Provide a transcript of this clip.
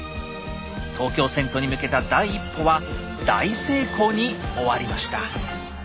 東京遷都に向けた第１歩は大成功に終わりました。